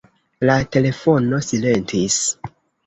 La telefono silentis.